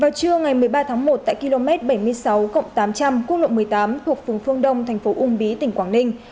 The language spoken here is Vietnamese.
vào trưa ngày một mươi ba tháng một tại km bảy mươi sáu tám trăm linh quốc lộ một mươi tám thuộc phường phương đông thành phố uông bí tỉnh quảng ninh